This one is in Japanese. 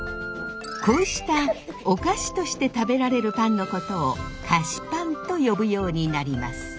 こうしたお菓子として食べられるパンのことを菓子パンと呼ぶようになります。